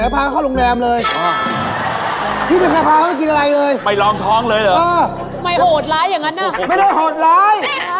เอาอะไรเอาออกเอาใจ